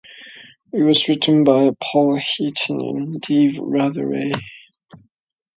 It was written by Paul Heaton and Dave Rotheray.